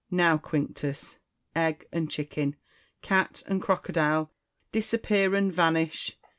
Marcus. Now, Quinctus, egg and chicken, cat and crocodile, disappear and vanish